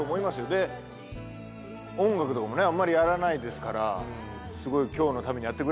で音楽とかもねあんまりやらないですからすごい。